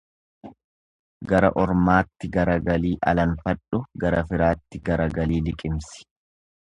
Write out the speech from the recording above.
Gara ormaatti garagalii alanfadhu, gara firaatti garagalii liqimsi.